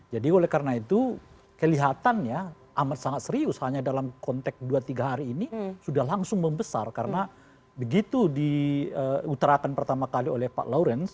oleh karena itu kelihatannya amat sangat serius hanya dalam konteks dua tiga hari ini sudah langsung membesar karena begitu diutarakan pertama kali oleh pak lawrence